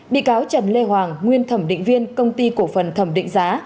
bị cáo trần lê hoàng nguyên thẩm định viên công ty cổ phần thẩm định giá